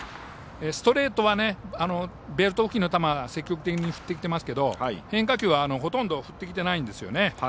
ストレートはベルト付近の球を積極的に振ってきていますけど変化球はほとんど振ってきてないんですね。